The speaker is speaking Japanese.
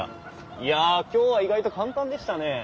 いや今日は意外と簡単でしたね。